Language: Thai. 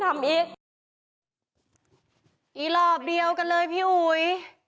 อรอบเดียวกันเลยพี่อุ๋ย